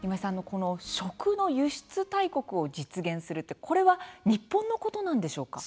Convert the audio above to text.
この食の輸出大国を実現するってこれは日本のことなんでしょうか？